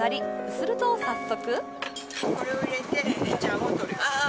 すると早速。